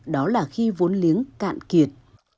đó là khi vốn liếng cạn kiệt